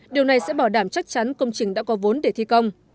điều này sẽ bảo đảm chắc chắn công trình đã có vốn để thi công